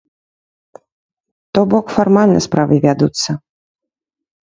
То бок фармальна справы вядуцца.